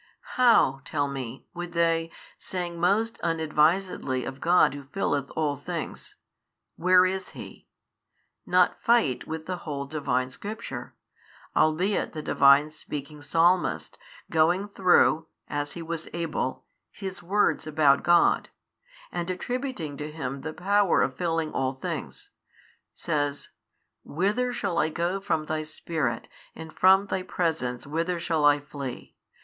how (tell me) would they, saying most unadvisedly of God Who filleth all things, Where is He, not fight with the whole Divine Scripture, albeit the Divine speaking Psalmist, going through (as he was able) his words about God, and attributing to Him the power of filling all things, says, Whither shall I go from Thy Spirit, and from Thy Presence whither shall I flee?